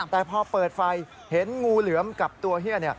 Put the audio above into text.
แต่พอเปิดไฟเห็นงูเหลือมกับตัวเฮีย